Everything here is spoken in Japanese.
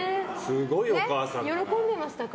喜んでましたか？